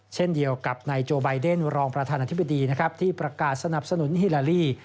เช่นเดียวกับนายโจไบเดนรองประธานาธิบดีนะครับที่ประกาศสนับสนุนฮิลาลี